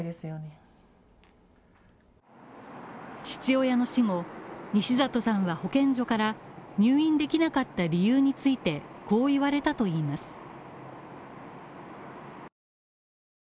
父親の死後西里さんは保健所から入院できなかった理由についてこう言われたといいます。